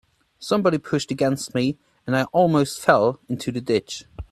Somebody pushed against me, and I almost fell into the ditch.